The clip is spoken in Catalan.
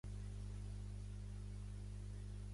L'àlbum intentava sonar similar a "Whose Side Are You On?".